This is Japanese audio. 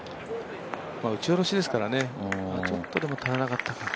打ち下ろしですからねでもちょっと足りなかったか。